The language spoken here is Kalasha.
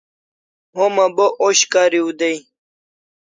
Homa bo osh kariu day